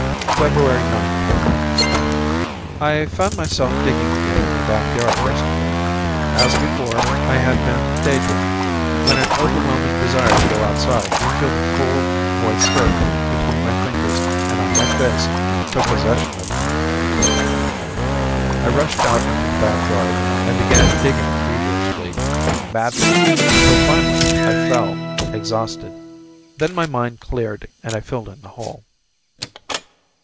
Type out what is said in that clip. Feb. 9. I found myself digging again in the back yard yesterday. As before, I had been "day dreaming," when an overwhelming desire to go outside and feel the cool moist earth between my fingers and on my face took possession of me. I rushed out into the back yard, and began digging feverishly ... madly, until finally I fell, exhausted. Then my mind cleared and I filled in the hole.